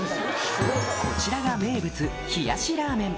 こちらが名物、冷やしラーメン。